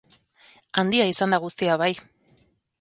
Handia izan da guztia, bai!